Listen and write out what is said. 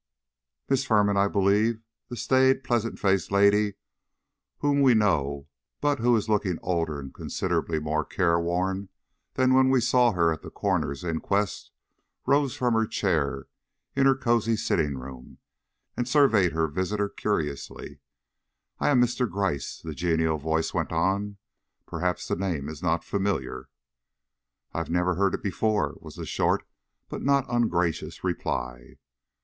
"MISS FIRMAN, I believe?" The staid, pleasant faced lady whom we know, but who is looking older and considerably more careworn than when we saw her at the coroner's inquest, rose from her chair in her own cozy sitting room, and surveyed her visitor curiously. "I am Mr. Gryce," the genial voice went on. "Perhaps the name is not familiar?" "I never heard it before," was the short but not ungracious reply.